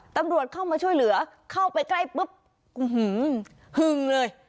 ตำรวจเข้ามาช่วยเหลือเข้าไปใกล้ปุ๊บหึงเลย